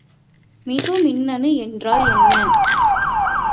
மிகுமின்னணு என்றால் என்ன?